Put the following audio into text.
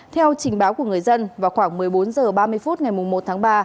theo trình báo của người dân vào khoảng một mươi bốn h ba mươi phút ngày một tháng ba